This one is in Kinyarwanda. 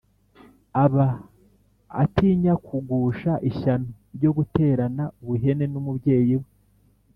aba atinyakugusha ishyano ryo guterana ubuhene n'umubyeyi we